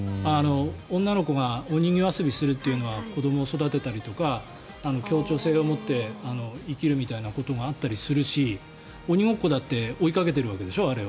女の子がお人形遊びするというのは子どもを育てたりとか協調性を持って生きるみたいなことがあったりするし鬼ごっこだって追いかけてるわけでしょ。